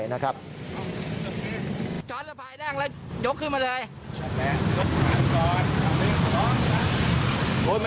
โอ้ทีนี้ล้อม